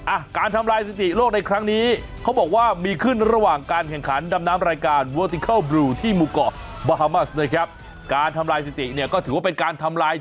อ่ะการทำลายสัยติโลกในครั้งนี้เขาบอกว่ามีขึ้นระหว่างการแข่งขันดำน้ำรายการ